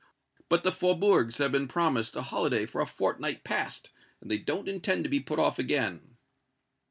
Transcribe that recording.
But the faubourgs have been promised a holiday for a fortnight past, and they don't intend to be put off again."